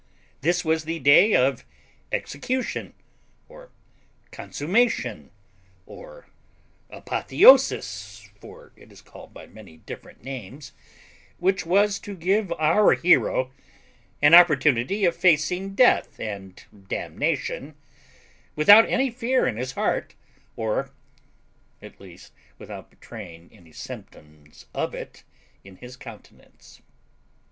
This was the day of execution, or consummation, or apotheosis (for it is called by different names), which was to give our hero an opportunity of facing death and damnation, without any fear in his heart, or, at least, without betraying any symptoms of it in his countenance.